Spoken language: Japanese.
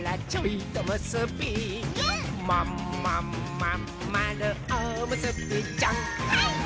「まんまんまんまるおむすびちゃん」はいっ！